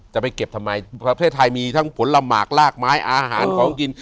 จะไปเก็บทำไมประเทศไทยมีทั้งผลหมากลากไม้อาหารของกิน